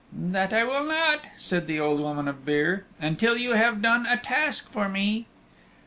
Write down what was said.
"That I will not," said the Old Woman of Beare, "until you have done a task for me."